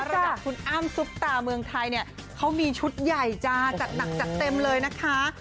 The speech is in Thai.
ระดับคุณอ้ำซุปตาเมืองไทยเนี่ยเขามีชุดใหญ่จ้าจัดหนักจัดเต็มเลยนะคะ